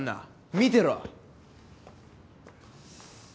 見てろ！